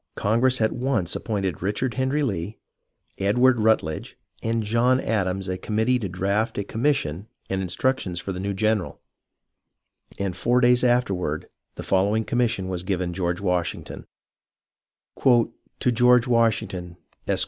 Congress at once appointed Richard Henry Lee, Edward Rutledge, and John Adams a com mittee to draft a commission and instructions for the new general ; and four days afterward the following commis sion was given George Washington :— "To George Washington, Esq.